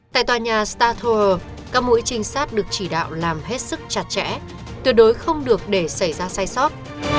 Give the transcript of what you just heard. tại tòa nhà star tour các mũi trinh sát được chỉ đạo làm hết sức chăm sóc